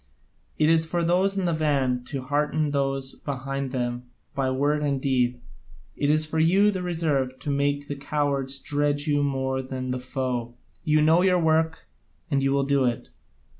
It is for those in the van to hearten those behind them by word and deed; it is for you, the reserve, to make the cowards dread you more than the foe. You know your work, and you will do it.